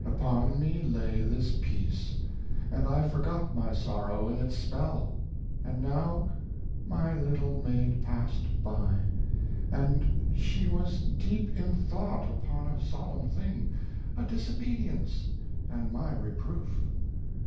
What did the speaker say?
Upon me lay this peace, And I forgot my sorrow in its spell. And now My little maid passed by, and she Was deep in thought upon a solemn thing: A disobedience, and my reproof.